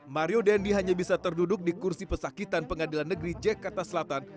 mario dendi hanya bisa terduduk di kursi pesakitan pengadilan negeri jakarta selatan